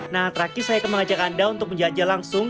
nah terakhir saya akan mengajak anda untuk menjajah langsung